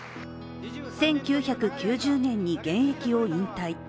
１９９０年に現役を引退。